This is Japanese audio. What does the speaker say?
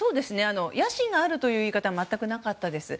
野心があるという言い方は全くなかったです。